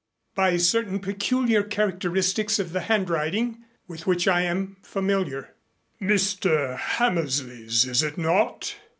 "By certain peculiar characteristics of the handwriting, with which I am familiar." "Mr. Hammersley's, is it not?"